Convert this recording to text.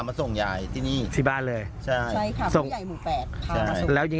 มคุณยายรีค่ะ